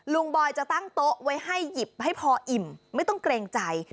บอยจะตั้งโต๊ะไว้ให้หยิบให้พออิ่มไม่ต้องเกรงใจ